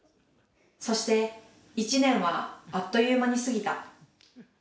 そして１年はあっという間に過ぎた。